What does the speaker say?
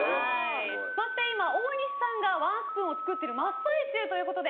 そして今、大西さんがワンスプーンを作っている真っ最中ということで。